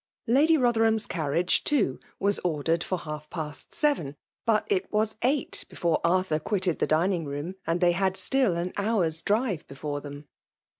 Lady Rotherham^s carriage^ too, was ordered for half past seven; but it was eight before Arthur quitted the dining room, and they had still an hour*s drive before them.